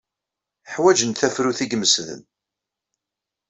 Ḥwajent tafrut ay imesden.